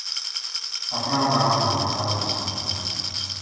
اپنا باپ کو وہ سارو قصو سنایو